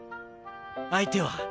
相手は？